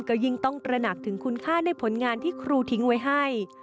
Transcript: ก็ยิ่งต้องตระหนักถึงคุณค่าในผลงานที่ครูทิ้งไว้ให้